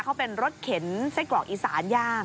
เขาเป็นรถเข็นไส้กรอกอีสานย่าง